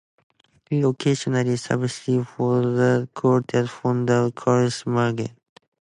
He occasionally substituting for the quartet's founder Charles Magnante.